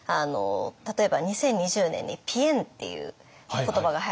例えば２０２０年に「ぴえん」っていう言葉がはやったと思うんですけど。